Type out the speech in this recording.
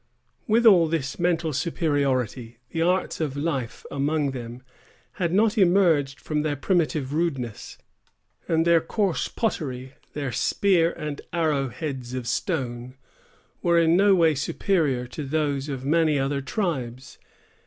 With all this mental superiority, the arts of life among them had not emerged from their primitive rudeness; and their coarse pottery, their spear and arrow heads of stone, were in no way superior to those of many other tribes.